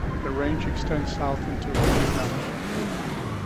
The range extends south into Canoona.